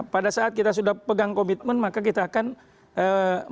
pada saat kita sudah pegang komitmen maka kita bisa membangun kesetiaan